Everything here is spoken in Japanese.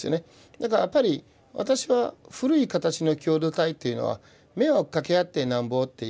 だからやっぱり私は古い形の共同体っていうのは迷惑かけ合ってなんぼっていう。